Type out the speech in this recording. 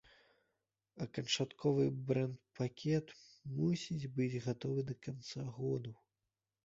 А канчатковы брэнд-пакет мусіць быць гатовы да канца году.